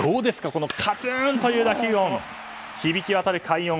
このカツン！という打球音。